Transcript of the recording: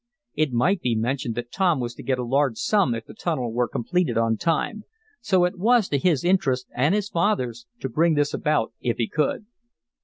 It might be mentioned that Tom was to get a large sum if the tunnel were completed on time, so it was to his interest and his father's, to bring this about if he could.